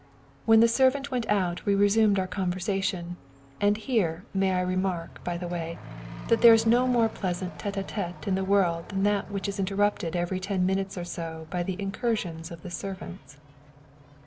When the servant went out we resumed our conversation. And here, I may remark, by the way, that there is no more pleasant tête à tête in the world than that which is interrupted every ten minutes or so by the incursions of the servants.